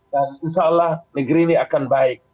dan insya allah negeri ini akan baik